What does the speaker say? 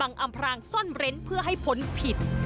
กำลังซ่อนเร้นเพื่อให้ผลผิด